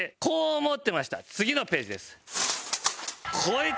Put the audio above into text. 次のページです。